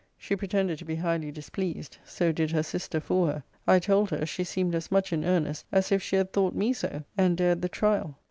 She pretended to be highly displeased: so did her sister for her. I told her, she seemed as much in earnest as if she had thought me so; and dared the trial.